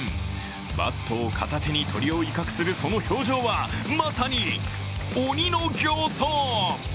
バットを片手に鳥を威嚇するその表情はまさに鬼の形相。